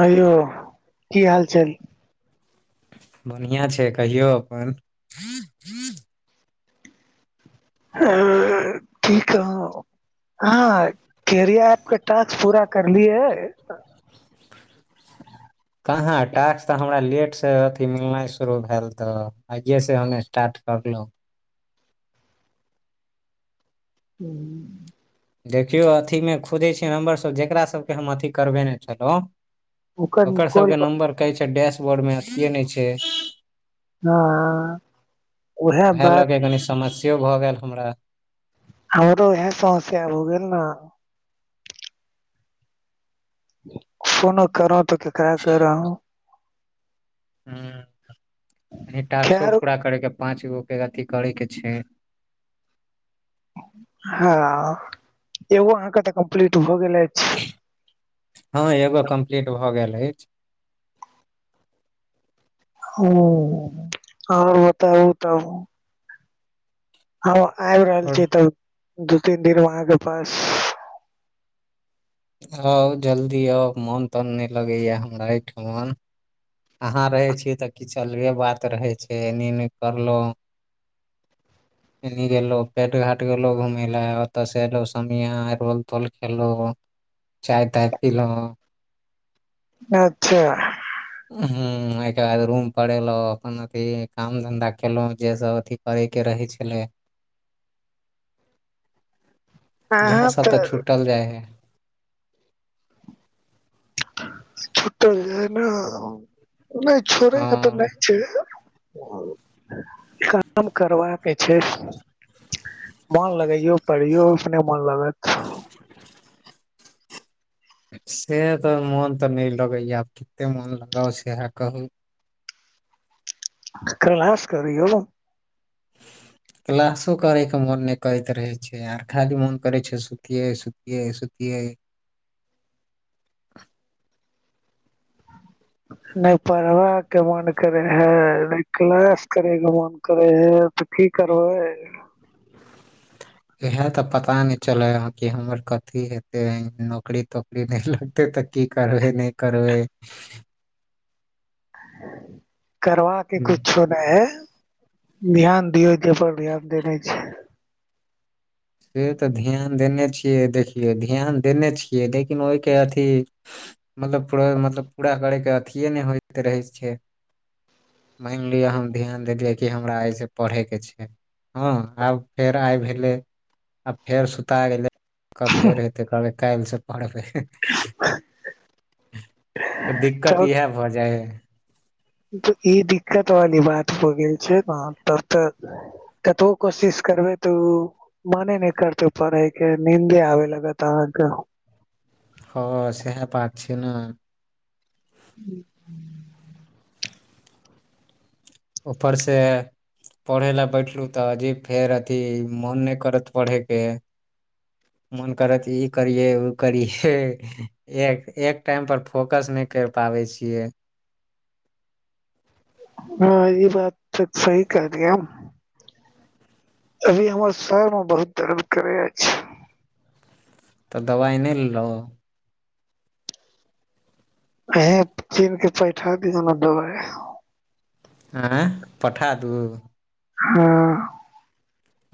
आइयो [inaudible] की हाल चाल बढ़िआँ छै कहियौ अपन। [unintelligible] की कहुँ हँ करिया ऐप केँ टास्क पूरा करलियै कहाँ टास्क तऽ हमरा लेटसँ अथी मिलनाइ शुरू भैल तऽ आइये से हम स्टार्ट करलु [unintelligible] देखियौ अथीमे खोजै छै हमर सभ जकरा सभ कऽ हम अथी करबेने छलौ [inaudible] ओकर सभ कऽ नंबर कहै छै डैशबोर्डमे अथिए नै छै। [unintelligible] उएह उहै लऽ बात कऽ कनी समस्यो भऽ गेल हमरा। हमरो उहै समस्या हो गेल न फोनो करो तऽ केकरा करो [inaudible] यनी टास्को खैर पूरा करे कें पाँच गो केँ अथी करे केँ छै। हँ [inaudible] एो अहाँ कऽ तऽ कम्प्लीट भऽ गेले यैछ [unintelligible] हँ एगो कम्प्लीट भऽ गेल अछि। [unintelligible] और बताबु तब हम आब रहल आओर छी तब [inaudible] दू तीन दिन अहाँ केँ पास। आउ जल्दी आउ मोन तन नै लगेय हमरा ऐ ठमन अहाँ रहै छियै तऽ किछ अलगे बात रहै छै एने एनी करलौ [inaudible] एनी गेलो पेट घाट गेलो घूमय ला ओतय सँ एलो समिया रोल तोल खेलो। चाय ताय पीलहुँ। अच्छा हुँ ओहि केँ बाद रूम पर एलहु अपन अथी काम धंधा केलहुँ जे सब अथी करे केँ रहे छले। इहाँ सब तऽ छुटल जाय हय छुटल जाय नऽ नय छोड़ै कऽ तऽ हँ नय छै। काम करबाकेँ छै। मोन लगैयो पढ़ियो अपने मोन लगत। [inaudible] से तऽ मोन तऽ नय लगैय आब कते मोन लगाउ सेहा कहू। कलास करयो [inaudible] क्लासो करय कऽ मोन नय करैत रहै छै यार खाली मोन करैत छै सुतियै सुतियै सुतियै। नय परवाहक के मन करे है नय क्लाश करे केँ मोन। करे है तऽ की करबै। इहै तऽ पता नय चलै ह कि हमर कथी हेते नौकरी तोकरी नय लग तै तऽ की करबै नय करबै करबा केँ हम्म, कुछो। नय ध्यान दियौ जे पर ध्यान देने छी। से तऽ ध्यान देने छियै देखियौ ध्यान देने छियै लेकिन ओहि केँ अथी। मतलब पूरा मतलब पूरा करै कऽ अथिये नय होइत रहै छै। मानि लिअ हम ध्यान देलियै की हमरा आइसँ पढै कऽ छै। हँ आब फेर आइ भेले आ फेर सुता गेलै तब फेर हेतै कहबै काइल सँ पढ़बै तऽ दिक्कत तब इहै भऽ जाइ हय ई दिक्कत वाली बात हो गेल छै हँ तब तऽ कतबो कोशिश करबै तऽ उ मने नय करतै परहै केँ नीन्दे आबे लगत अहाँ कऽ हूँ सेहा बत छैय न हुँ ऊपर से पढ़ै लऽ बैठलू तऽ जे फेयर अथी मोन नय करत पढ़े केँ मोन करत ई करिये उ करिये एक एक टाइम पर फोकस नय कैर पाबै छियै हँ ई बात तऽ सही कहलिये अभी हमर सर मऽ बहुत दर्द करे अछि तऽ दबाइ नय लेलहुँ अहाँ चीन कऽ पैठा दिय नऽ दबाइ आँय पठा दू हँ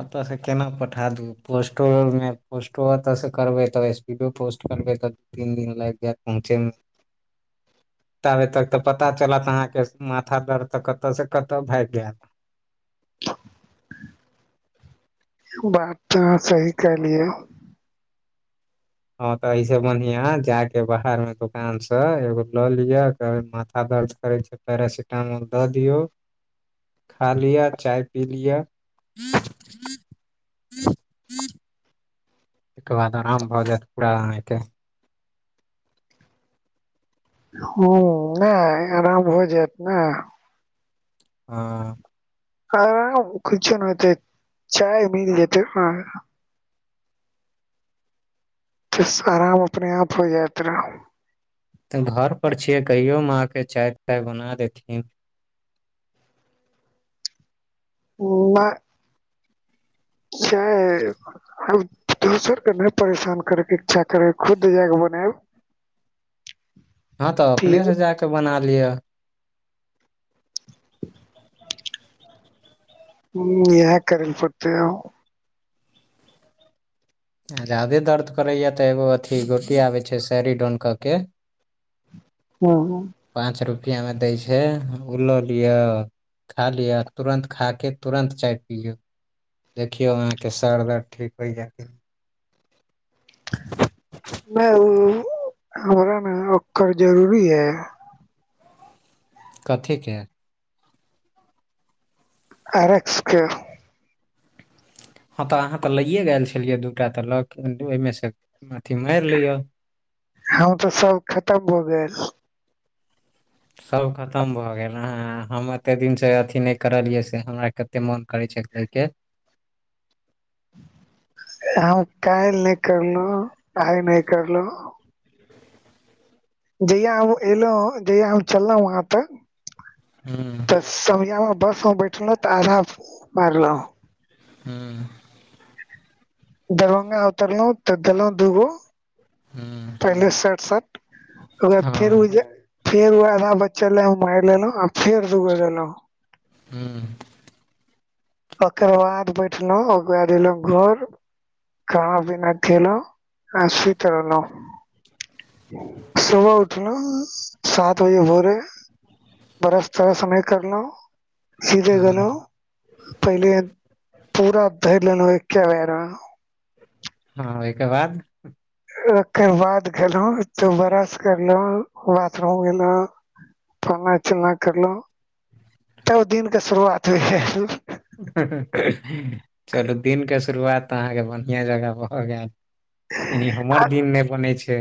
एतऽ सँ केना पठा देबै पोस्टोरमे पोस्टो ओतऽ सँ करबै तऽ एसपीडो पोस्ट करबै तऽ तीन दिन लाइग जैत पहुँचे मऽ ताबे तक तऽ पता चलत अहाँकेँ माथा दर्द तऽ कतय सँ कतय भाईग गैल बात तऽ अहाँ सही कहलियै ह तऽ स बढ़िया जाय के बाहर मे दुकान से एगो लऽ लिअ कहबे माथा दर्द करे छै पेरासिटामोल दऽ दियो खा लिअ चाय पी लिअ तके बाद आराम भऽ जायत पूरा आहाँके हँ नहि आराम हो जायत ने हँ आराम किछ नहि होतै चाय मिल जेतै हऽ तऽ आराम अपने आप हो जात रह तऽ घर पर छियै कहियो माँ कऽ चाय ताय बना देथिन नहि [unintelligible] अब दोसर के नहि परेशान करैके इच्छा करे खुद जायक बनायब हँ तऽ अपने से जााक बना लियअ हू ईहाय करय परते आब आ ज्यदे दर्द करैए तऽ एगो अथी गोटी आबे छै सहरी डोन कऽ के [inaudible] [unintelligible] पाँच रुपैआमे दै छै ओ लऽ लिअ खा लिअ तुरन्त खा के तुरन्त चाय पियऔ देखियौ अहाँके सर दर्द ठीक होइ यऽ कि नहि नहि ओ हमरा ने ओकर जरूरी है कथीके एरेक्सके हँ तऽ अहाँ तऽ लैयए गेल छलियै दूटा तऽ लग ओहिमे से अथी मारि लेए हऽ तऽ सब खतम भऽ गेल। सभ खतम भऽ गेल हऽ हम एते दिन से अथी नहि करलियै से हमरा। कते मोन करे छै लेके। हम काल्हि नहि करलहु आय नहि करलहु। जहिया हम एलहु जहिया हम चललहुं वहाँ तक हू तऽ समयमे बसमे बैठलहुँ तऽ आधाम मारलहुँ हू दरभंगा उतरलहुं तऽ देलहुं दूगो हूँ पहिले साठ सठ ओ फेर ओ हँ फेर ओ आधा बच्चले मारि लेलहु। फेर दूगे लेलो हूँ। ओकर बाद बैठलहु ओकरा बाद एलहु घर। खाना पीना खेलू आ स्वीत रहलू सुबह उठल सात बजे भोरे। बरस तरस सब करलू। सीधे गनो हँ पहिले पूरा धै लनै एके बेर मे हँ ओहिके बाद। ओकर बाद गेलो तो ब्रश करलो बाथरूम गेलो। फल्ना चिलला करलहुँ तब दििन के शुरुआत भेल गेल। चलू दिनके शुरुआतऽ अहाँके बढ़िआँ जगह भऽ गेल। एनी हमर दिन नहि बनै छै।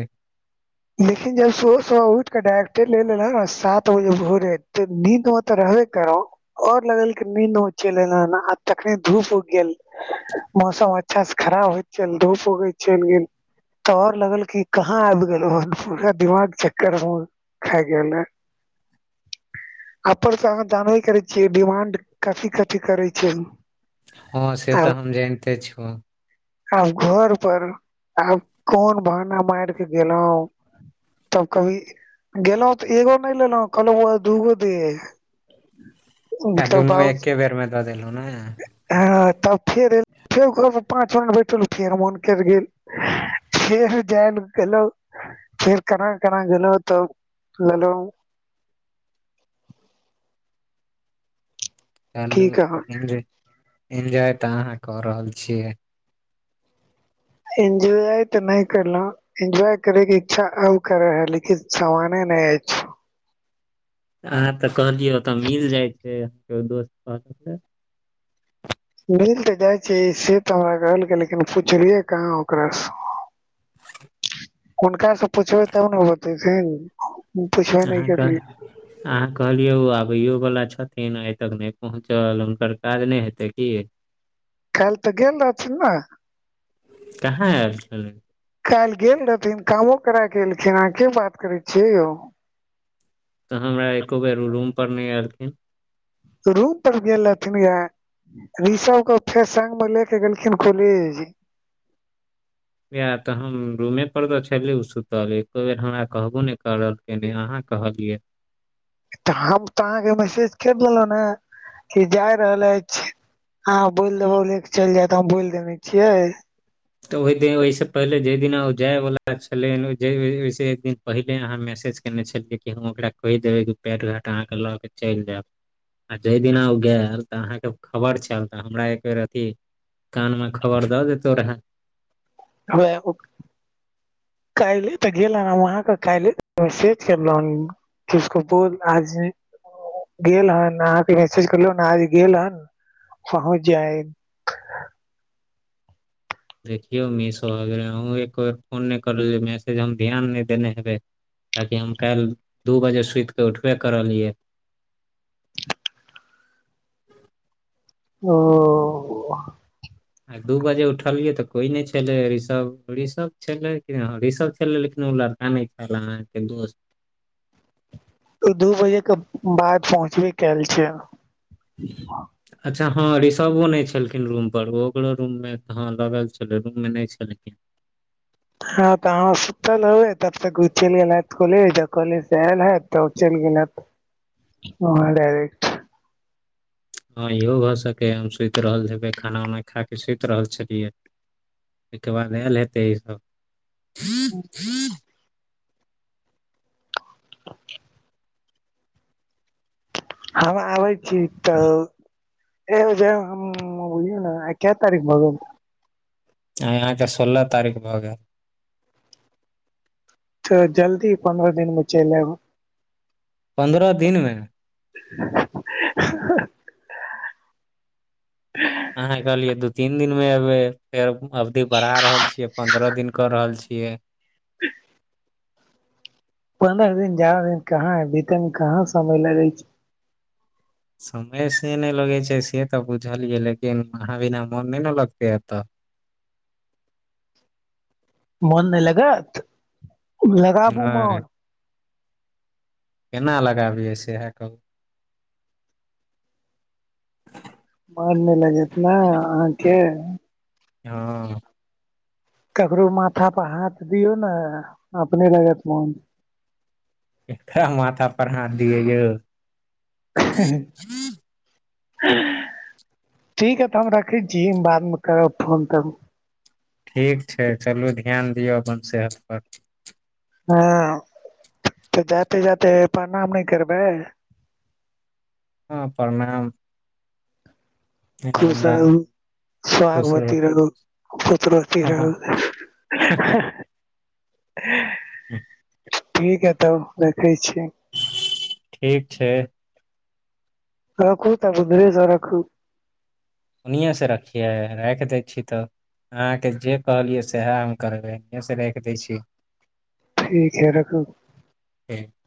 लेकिन जब सुबह सुबह उठ के डायर्टेर ले लेलू नऽ सात बज भोरे तऽ नींद मे तऽ रहबे करो। ओर लगल कि नहि निंद चलि एल आ तखने धूप उग गेल। मौसम अच्छा से खराब होइ छै धूप उगै छैिन। तऽ और लगल की कहाँ आबि गेल। पूरा दिमाग चक्कर हऽ खायके गेल। अपर सऽ अहाँ जानबे करै छियै डिमांड कथी कथिी करै छै। हँ से तऽ आब हम जानिते छू आब घर पर आब कोन बहाना मार के गेलहुं। तब कभी गेलहुं तऽ एगो नहि लेलहु कहलहु दूगो दे। आ मतलब दुनू एके बेर मे दऽ देलहु ने। हऽ तब फेर फेर पाँच म बैठल फेर मोन करि गेल। फेर जान गेलहु। फेर केना केना गेलहू तऽ लेलो चलू की कहब इन्ज इन्जॉय तऽ अहाँ कऽ रहल छियै। एजय तऽ नहि करलो। एन्जॉय करैके इच्छा अब करे है लेकिन जमाने नहि अछि। अहाँ तऽ कहलियै ओतय मिल जाइ छै अाँकेो दोस्त कहलक। मिल तऽ जाइ छै से तऽ हमरा कहलकै लेकिन पुछलियै कहाँ ओकरासँ। [unintelligible] हुनकास सऽ पुछबै तब ने बतेथिन। पुछबे नहि अहाँके। करलियै अहाँ कहलियै ओ आबैयो वला छथिन आइ तक नहि पहुँचल हुनकर काज नहि हेतै की। काल्हि तऽ गेल रहथिन नऽ। कहाँ आएल छलै। काल्हि गेल रहथिन कामो करा कऽ एलखिन अहाँ के बात करै छियै यौ। तऽ हमरा एको बेर रूम पर नहि एलखिन। रूम पर गेल रहथिन ये रिषभ के फेर संग मे ले के गेलखिन कॉलेज। इएह तऽ हम रूमेपर तऽ छलै ओ सुतल एको बेर हमरा कहबो नहि करऽलखिन अहाँ कहलियै। तऽ हम तऽ अहाँके मैसेज कऽ देलहुं नऽ कि जाय रहल अछि आहाँ बोलि देबौ ले के चलि जायत हम बोल देने छियै। तऽ ओहि दिन ओहिसँ पहिले जाहि दिना ओ जाइवला छलै एक दिन। पहिले अहाँ मैसेज कयने छलियै कि हम ओकरा कहि देबै कि पैट घाट अहाँके लऽ कऽ चलि जायब। आ जेहि दिना ओ गेलल तऽ अहाँके खबर छल तऽ हमरा एक बेर अथी। कान मऽ खबर दऽ देतो रहे। [unintelligible] काल्ले तऽ गेलो हम आहाँके काले तऽ मैसेज करलू हन किसको बोल आज। गेल हन अहाँके मैसेज करलो नऽ आज गेल हन पहुँच जाय। देखियौ मिस हो गेलै अहूँ एक बेर फोन नहि करलियै जे मैसेज हम ध्यान नहि देने हेबै। कियाकि हम काल्हि दू बजे सुतिके उठबे करलियै। ओ। आ दू बजे उठलियै तऽ कोइ नहि छलैऋषभ ऋषभ छलै ऋषभ छलै लेकिन ओ लड़का। क नहि छल आहाँक दोस्त दू बजे के बाद पहुँचबे काइल छैय अच्छा हँ रिसर्वो नइ छलखिन रूमपर ओकरो रूममे त हँ लगल छलै रूममे नइ छलखिन हँ तऽ अहाँ सुतल हैबे तब तक उ चैल गेल हत कॉलेज आ कॉलेज से आयल हैत तब ओ चैल गेल हैत [inaudible] [unintelligible] हँ इहो भऽ सकै हम सुइत रहल हबै खाना उना खा क सुइत रहल छलियै ओके बाद आयल हेतै ईसभ [unintelligible] [inaudible] [inaudible] [inaudible] हम आबै छी तऽ [inaudible] आए अहाँके सोलह तारीख भऽ गेल तऽ जल्दी पन्द्रह दिन में चैल आब हम पन्द्रह दिनमे [inaudible] [unintelligible] [inaudible] अहाँ कहलियै दू तीन दिन में एबे फेर अवधि बढ़ा रहल छीयै पनद्रह दिन कर रहल छियै [inaudible] पन्द्रह दिन ज्यादा दिन कहाँ है बीते मे कहाँ समय लगे छै समय से नय लगे छै से तऽ बुझलियै लेकिन अहाँ बिना मोन नय ने लगते एतऽ मन नय लगत लगाबू नहि मन केना लगाबियै सेहा कहू मन नय लगैत ने अहाँके हँ ककरो माथा पर हाथ दियौ न अपने लगत मोन [unintelligible] माथा पर हाथ दिये यौ [inaudible] [inaudible] ठीक है तऽ हम रखै छी बादमे करब फोन तऽ ठीक छै चलू ध्यान दियौ अपन सेहत पर हँ तऽ जाते जाते प्रणाम नइ करबै हँ प्रणाम खुश राम राम रहू खुश सहागवती रहू पुत्रवती रहू [unintelligible] [inaudible] ठीक है तब रखै छी [inaudible] ठीक छै रखु तक उधरे स रखू ओनिएँ से रखियै राइख दै छी तऽ अहाँके जे कहलियै सएह हम करबै इहे से राइख दै छी ठीक है रखू [inaudible]